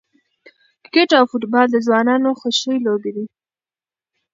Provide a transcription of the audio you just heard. کرکټ او فوټبال د ځوانانو خوښې لوبې دي.